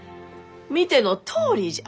見てのとおりじゃ！